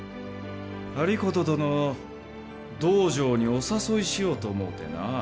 有功殿を道場にお誘いしようと思うてな。